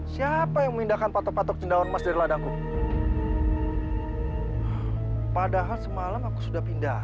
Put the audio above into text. sampai jumpa di video selanjutnya